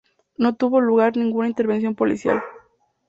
No tuvo lugar ninguna intervención policial.